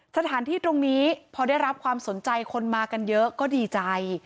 สถานที่ตรงนี้พอได้รับความสนใจคนมากันเยอะก็ดีใจ